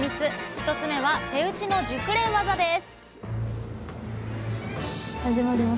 １つ目は手打ちの熟練技です